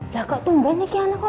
lah kok tumben nih kianak kok